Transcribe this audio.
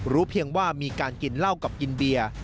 เพียงว่ามีการกินเหล้ากับกินเบียร์